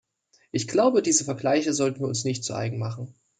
Ich glaube, diese Vergleiche sollten wir uns nicht zu Eigen machen.